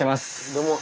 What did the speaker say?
どうも。